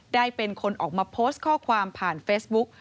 ได้เป็นคนออกมาโพสต์ข้อความผ่านเฟซบุ๊ก